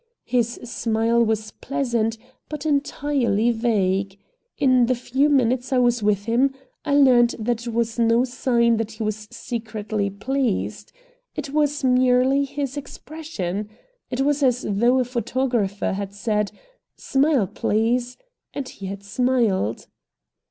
His smile was pleasant, but entirely vague. In the few minutes I was with him, I learned that it was no sign that he was secretly pleased. It was merely his expression. It was as though a photographer had said: "Smile, please," and he had smiled.